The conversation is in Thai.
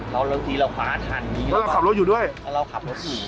แล้วบางทีเราคว้าทันแล้วเราขับรถอยู่ด้วยเราขับรถอยู่